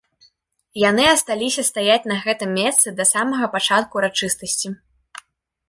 Яны асталіся стаяць на гэтым месцы да самага пачатку ўрачыстасці.